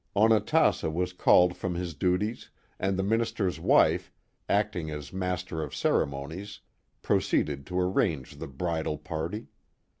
Onatassa was called from his duties, and the minister's wife, acting as master of ceremonies, pro ceeded to arrange the bridal party.